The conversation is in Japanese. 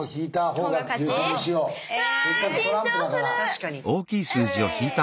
確かに。